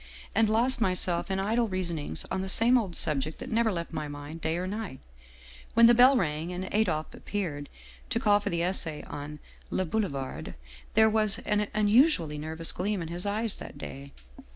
and lost myself in idle reasonings on the safne old subject that never left my mind day or night, when the bell rang and Adolphe appeared, to call for the essay on ' Le Boulevarde.' There was an unusually nervous gleam in his eyes that day.